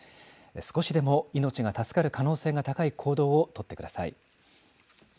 少しでも命が助かる可能性が高い行動を取ってください。